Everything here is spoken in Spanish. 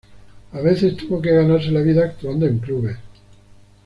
A veces tuvo que ganarse la vida actuando en clubes.